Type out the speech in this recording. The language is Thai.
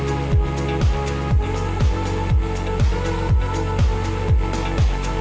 ไม่มีผ่านที่ทำแบบนี้